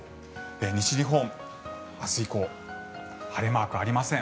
西日本、明日以降は晴れマークがありません。